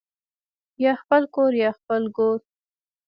یا خپل کور یا خپل ګور